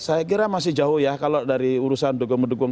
saya kira masih jauh ya kalau dari urusan dukung mendukung